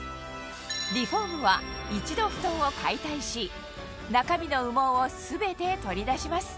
リフォームは一度ふとんを解体し中身の羽毛を全て取り出します